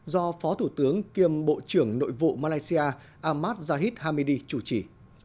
do phó thủ tướng kiêm bộ trưởng nội vụ malaysia ahmad jahid hamidi chủ trì